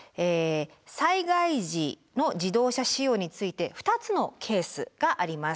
災害時の自動車使用について２つのケースがあります。